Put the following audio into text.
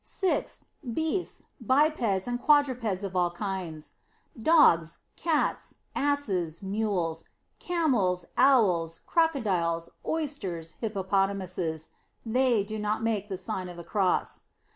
Sixth, beasts, bipeds and quadrupeds of all kinds: dogs, cats, asses, mules, camels, owls, crocodiles, oysters, hippopotamuses they do not make the Sign of the Cross.